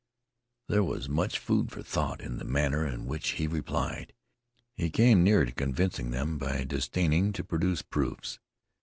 There was much food for thought in the manner in which he replied. He came near to convincing them by disdaining to produce proofs.